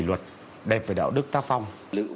lấy lẽ phải là mục đích sống